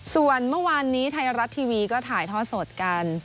ส่วนเมื่อวานนี้ไทยรัฐทีวีก็ถ่ายทอดสดกัน